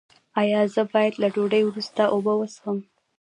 ایا زه باید له ډوډۍ وروسته اوبه وڅښم؟